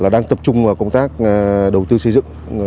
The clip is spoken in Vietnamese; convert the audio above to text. đang tập trung vào công tác đầu tư xây dựng